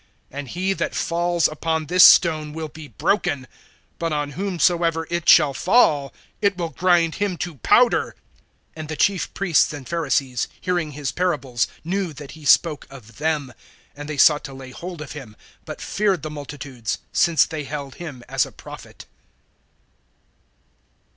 (44)And he that falls upon this stone will be broken; but on whomsoever it shall fall, it will grind him to powder. (45)And the chief priests and Pharisees, hearing his parables, knew that he spoke of them. (46)And they sought to lay hold of him, but feared the multitudes, since they held him as a prophet.